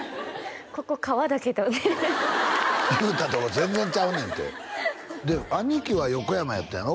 「ここ川だけど」って言うたとこ全然ちゃうねんてで兄貴は横山やったんやろ？